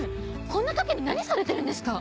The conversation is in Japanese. こんな時に何されてるんですか